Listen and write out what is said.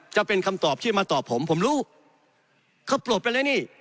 จะเป็นคำตอบที่มาตอบผมผมรู้เขาปลดไปแล้วนี่